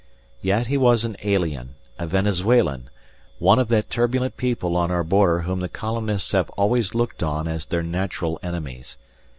Yet he was an alien, a Venezuelan, one of that turbulent people on our border whom the colonists have always looked on as their natural enemies.